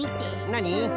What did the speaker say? なに？